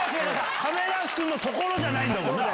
亀梨君のところじゃないんだもんな。